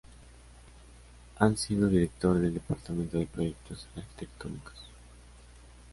Ha sido Director del Departamento de Proyectos Arquitectónicos.